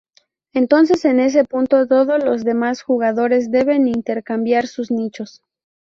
Entonces en ese punto todos los demás jugadores deben intercambiar sus nichos.